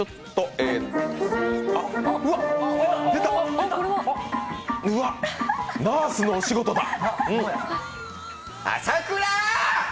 出た、うわっ、「ナースのお仕事」だ。